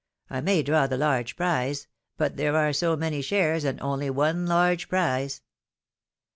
^ I may draw the large l^rize ! But there are so many shares, and only one large prize